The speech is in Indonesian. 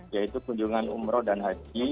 yaitu kunjungan umroh dan haji